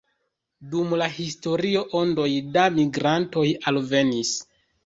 Dum la historio ondoj da migrantoj alvenis.